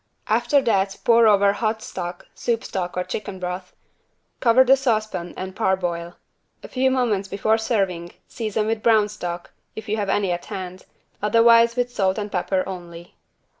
After that pour over hot stock (soup stock or chicken broth) cover the saucepan and parboil. A few moments before serving season with brown stock, if you have any at hand, otherwise with salt and pepper only.